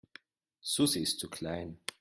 Susi ist zu klein.